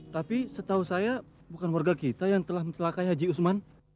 tapi setahu saya bukan warga kita yang telah mencelakanya haji usman